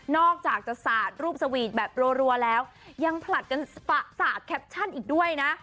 อกจากจะสาดรูปสวีทแบบรัวแล้วยังผลัดกันประสาทแคปชั่นอีกด้วยนะ